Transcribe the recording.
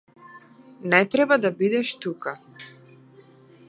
Не треба да бидеш тука.